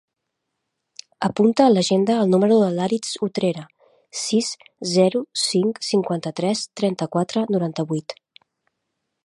Apunta a l'agenda el número de l'Aritz Utrera: sis, zero, cinc, cinquanta-tres, trenta-quatre, noranta-vuit.